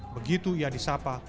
begitu ia disapa